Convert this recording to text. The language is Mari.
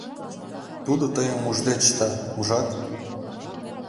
Тудо тыйым ужде чыта, ужат?